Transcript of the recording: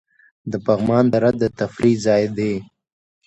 د پغمان دره د تفریح ځای دی